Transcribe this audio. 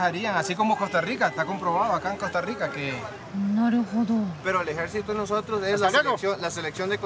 なるほど。